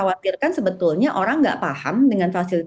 nah yang kita khawatirkan sebetulnya orang enggak paham dengan fasilitas itu